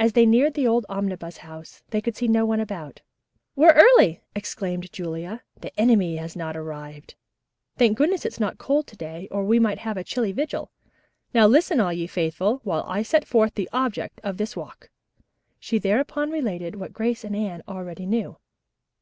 As they neared the old Omnibus House they could see no one about. "We're early!" exclaimed Julia. "The enemy has not arrived. Thank goodness, it's not cold to day or we might have a chilly vigil. Now listen, all ye faithful, while I set forth the object of this walk." She thereupon related what Grace and Anne already knew.